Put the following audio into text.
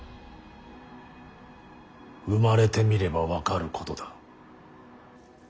生まれてみれば分かることだ。